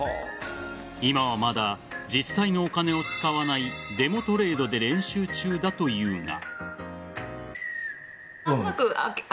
今はまだ実際のお金を使わないデモトレードで練習中だというが。